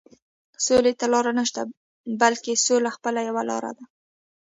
سولې ته لاره نشته، بلکې سوله خپله یوه ښه لاره ده.